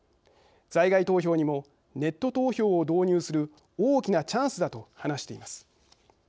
在外投票にもネット投票を導入する大きなチャンスだ」と話しています。